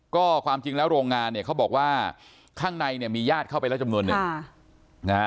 ก็ความจริงแล้วโรงงานเนี่ยเขาบอกว่าข้างในเนี่ยมีญาติเข้าไปแล้วจำนวนหนึ่งนะฮะ